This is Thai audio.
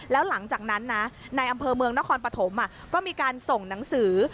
แล้วหลังจากนั้นนะในอำเภอเมืองนครปฐมก็มีการส่งหนังสือ